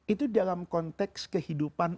itu dalam konteks kehidupan